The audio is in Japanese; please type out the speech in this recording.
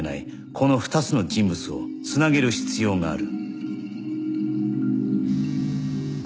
この２つの人物を繋げる必要がある